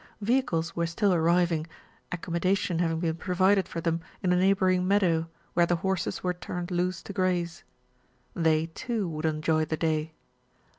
Vehicles were still arriving, accommodation having been provided for them in a neighbouring meadow, where the horses were turned loose to graze. They, too, would enjoy the day.